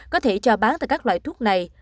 có thể cho bán tại các loại thuốc này